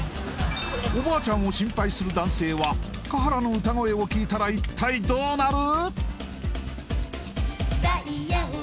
おばあちゃんを心配する男性は華原の歌声を聴いたら一体どうなる？